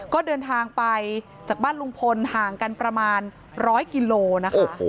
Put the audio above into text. ก็เดินทางไปจากบ้านลุงพลห่างกันประมาณ๑๐๐กิโลนะคะ